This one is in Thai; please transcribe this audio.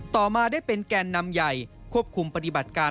ต่อมาได้เป็นแกนนำใหญ่ควบคุมปฏิบัติการ